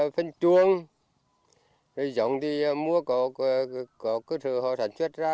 phân chuông dòng đi mua có cơ thừa hoa sản xuất ra